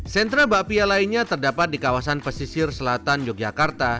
sentra bakpia lainnya terdapat di kawasan pesisir selatan yogyakarta